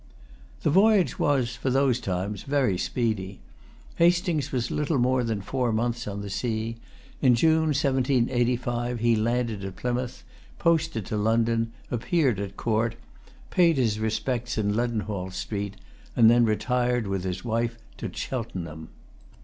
The voyage was, for those times, very speedy. Hastings was little more than four months on the sea. In June, 1785, he landed at Plymouth, posted to London, appeared at Court, paid his respects in Leadenhall Street, and then retired with his wife to Cheltenham.